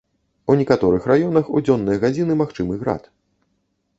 У некаторых раёнах у дзённыя гадзіны магчымы град.